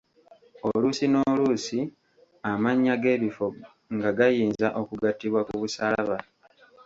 Oluusi n'oluusi amannya g'ebifo nga gayinza okugattibwa ku busalaba.